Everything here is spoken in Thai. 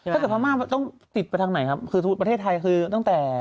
ถ้าเกิดพม่าต้องติดไปทางไหนครับคือประเทศไทยคือตั้งแต่